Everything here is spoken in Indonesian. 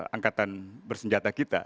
angkatan bersenjata kita